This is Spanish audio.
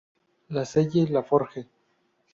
La Selle-la-Forge